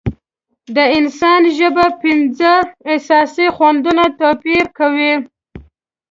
د انسان ژبه پنځه اساسي خوندونه توپیر کوي.